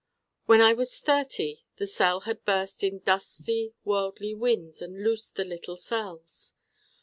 When I was thirty the Cell had burst in dusty worldly winds and loosed the little cells.